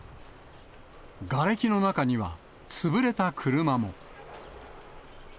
がれきの中には潰れた車も。